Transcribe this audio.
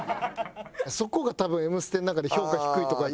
そこが多分『Ｍステ』の中で評価低いとこやと。